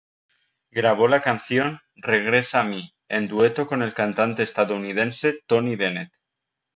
Grabó la canción "Regresa a mí" en dueto con el cantante estadounidense Tony Bennett.